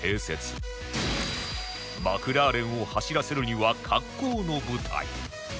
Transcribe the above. マクラーレンを走らせるには格好の舞台